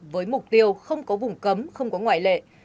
với mục tiêu không có vùng cấm không có ngoại lệ